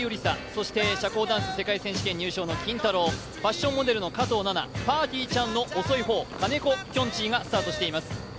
そして社交ダンス世界選手権入賞のキンタロー、ファッションモデルの加藤ナナ、ぱーてぃーちゃんの遅い方、金子きょんちぃがスタートしています。